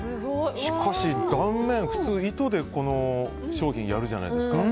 しかし断面、普通は糸で商品やるじゃないですか。